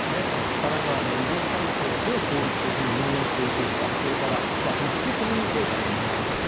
更に医療体制をどう効率的に運用していけるかそれからリスクコミュニケーションの問題ですね。